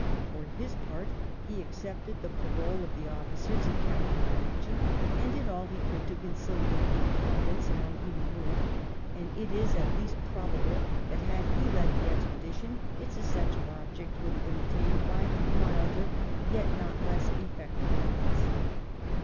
For his part he accepted the parole IV RETURN TO ENGLAND 93 of the officers he captured in action, and did all he could to conciliate the inhabitants among whom he moved ; and it is at least probable that had he led the expedition its essential object would have been attained by milder, yet not less effective methods.